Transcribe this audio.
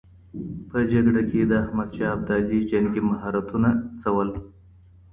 په جګړه کي د احمد شاه ابدالي جنګي مهارتونه څه وو؟